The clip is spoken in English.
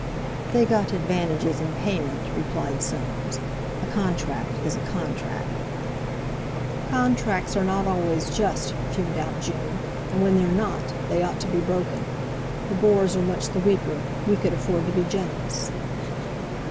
"They got advantages in payment," replied Soames; "a contract is a contract." "Contracts are not always just," fumed out June, "and when they're not, they ought to be broken. The Boers are much the weaker. We could afford to be generous."